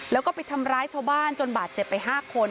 แล้วก็ไปทำร้ายชาวบ้านจนบาดเจ็บไป๕คน